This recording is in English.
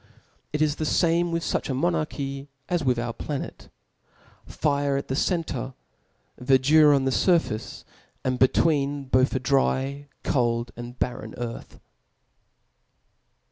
It is the fanrie i^ith fuch a monarchy as with our planet ; fire at the center^* Verdure on the furface, and between both a dry^ cold, and barren earth.